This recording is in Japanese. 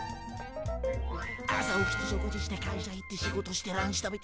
「朝起きて食事して」「会社行って仕事してランチ食べて」